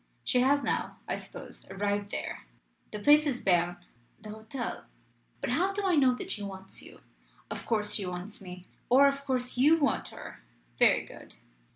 She has now, I suppose, arrived there. The place is Berne; the Hotel . But how do I know that she wants you?" "Of course she wants me." "Or of course you want her? Very good.